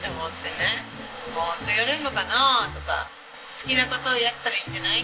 好きな事をやったらいいんじゃない？